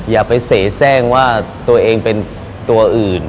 อย่าไปเสียแทร่งว่าตัวเองเป็นตัวอื่น